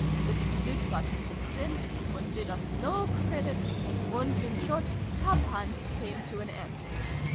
The dispute got into print, and did us no credit, and, in short, Cub Hunts came to an end.